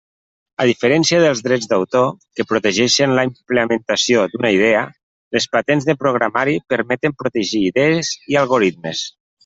A diferència dels drets d'autor, que protegeixen la implementació d'una idea, les patents de programari permeten protegir idees i algoritmes.